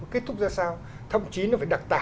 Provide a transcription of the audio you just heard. kết thúc ra sao thậm chí nó phải đặc tả